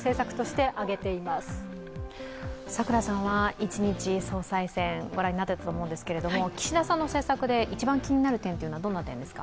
一日総裁選御覧になっていたと思うんですが、岸田さんの政策で一番気になる点はどんな点ですか？